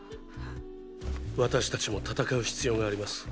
私たちも戦う必要があります。